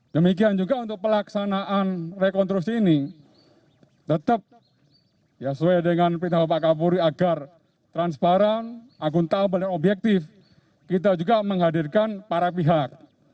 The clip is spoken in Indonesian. demikian juga untuk pelaksanaan rekonstruksi ini tetap sesuai dengan perintah bapak kapolri agar transparan akuntabel dan objektif kita juga menghadirkan para pihak